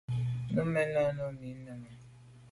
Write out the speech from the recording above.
Nu mèn nà mi me nène.